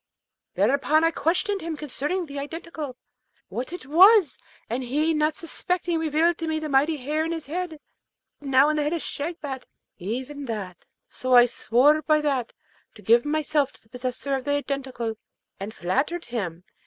Thereupon I questioned him concerning the Identical, what it was; and he, not suspecting, revealed to me the mighty hair in his head now in the head of Shagpat, even that. So I swore by that to give myself to the possessor of the Identical, and flattered him.